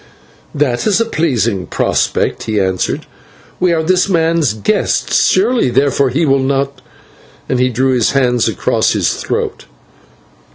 "That is a pleasing prospect," he answered, "we are this man's guests, surely therefore he will not " and he drew his hand across his throat.